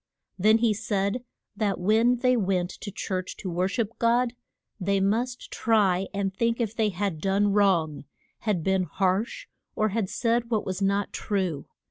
Then he said that when they went to church to wor ship God they must try and think if they had done wrong, had been harsh, or had said what was not true.